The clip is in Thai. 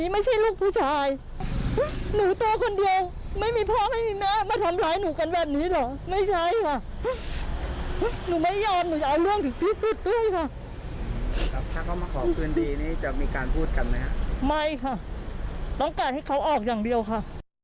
ไม่ค่ะต้องการให้เขาออกอย่างเดียวค่ะ